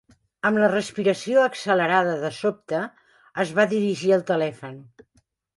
Amb la respiració accelerada de sobte, es va dirigir al telèfon.